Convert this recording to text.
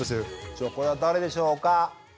じゃあこれは誰でしょうか？